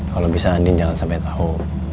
kalau bisa andin jangan sampai tahu